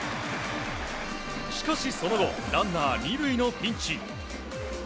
しかし、その後ランナー２塁のピンチ。